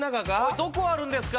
どこあるんですか？